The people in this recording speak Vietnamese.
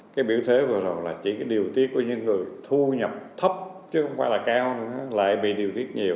cái biểu thế vừa rồi là chỉ cái điều tiết của những người thu nhập thấp chứ không phải là cao nữa lại bị điều tiết nhiều